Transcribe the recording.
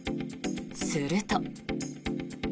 すると。